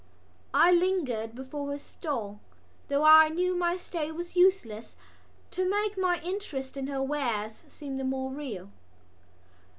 I lingered before her stall, though I knew my stay was useless, to make my interest in her wares seem the more real.